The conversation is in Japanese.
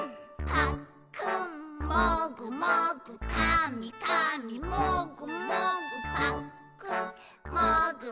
「ぱっくんもぐもぐ」「かみかみもぐもぐ」